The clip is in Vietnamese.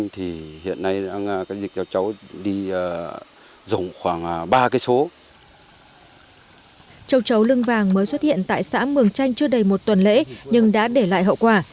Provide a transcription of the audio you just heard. tru lưng vàng mới xuất hiện tại xã mường chanh chưa đầy một tuần lễ nhưng đã để lại hậu quả